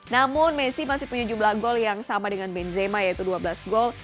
namun messi masih punya jumlah gol yang sama dengan benzema yaitu dua belas gol